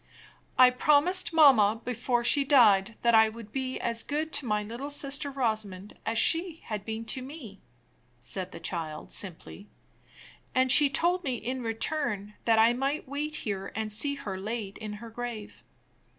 "I promised mamma before she died that I would be as good to my little sister Rosamond as she had been to me," said the child, simply; "and she told me in return that I might wait here and see her laid in her grave."